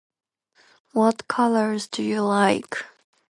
What colors do you like?